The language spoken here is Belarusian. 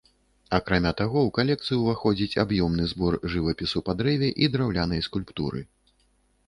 Акрамя таго ў калекцыю ўваходзіць аб'ёмны збор жывапісу па дрэве і драўлянай скульптуры.